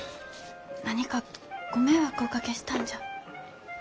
何かご迷惑おかけしたんじゃ。